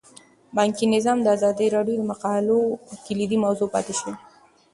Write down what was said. بانکي نظام د ازادي راډیو د مقالو کلیدي موضوع پاتې شوی.